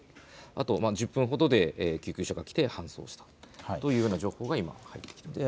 あとは１０分ほどで救急車が来て搬送されたというような情報が今入ってきています。